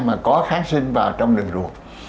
mà có kháng sinh vào trong đường ruột